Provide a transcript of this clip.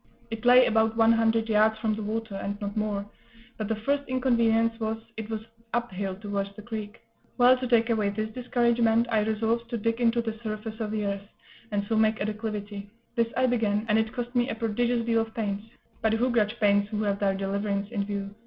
It lay about one hundred yards from the water, and not more; but the first inconvenience was, it was up hill towards the creek. Well, to take away this discouragement, I resolved to dig into the surface of the earth, and so make a declivity: this I began, and it cost me a prodigious deal of pains (but who grudge pains who have their deliverance in view?)